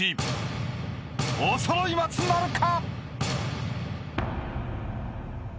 ［おそろい松なるか？］